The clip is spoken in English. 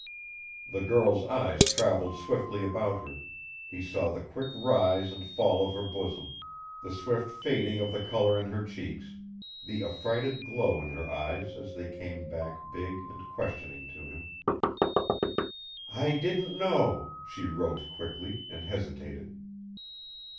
The girl's eyes traveled swiftly about her; he saw the quick rise and fall of her bosom, the swift fading of the color in her cheeks, the affrighted glow in her eyes as they came back big and questioning to him. "I didn't know," she wrote quickly, and hesitated.